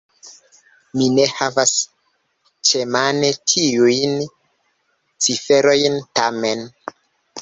Mi ne havas ĉemane tiujn ciferojn, tamen.